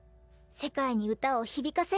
世界に歌を響かせる。